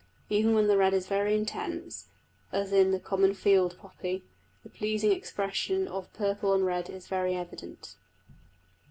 Even when the red is very intense, as in the common field poppy, the pleasing expression of purple on red is very evident.